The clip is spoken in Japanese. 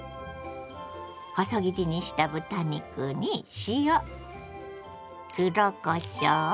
細切りにした豚肉に塩黒こしょう。